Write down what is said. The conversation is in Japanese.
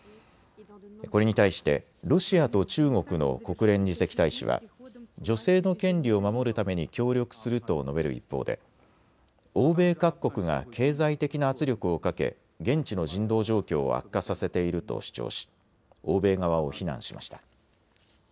これに対してロシアと中国の国連次席大使は女性の権利を守るために協力すると述べる一方で欧米各国が経済的な圧力をかけ現地の人道状況を悪化させていると主張し欧米側を非難しました。